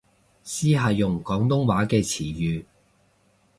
試下用廣東話嘅詞語